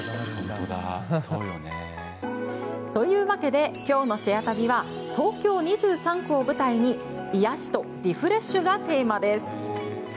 わけできょうの「シェア旅」は東京２３区を舞台に癒やしとリフレッシュがテーマです。